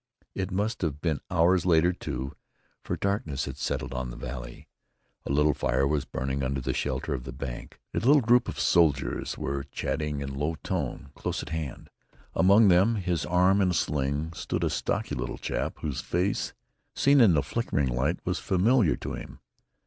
It must have been hours later, too, for darkness had settled on the valley. A little fire was burning under the shelter of the bank. A little group of soldiers were chatting in low tone, close at hand. Among them, his arm in a sling, stood a stocky little chap whose face, seen in the flickering light, was familiar to him.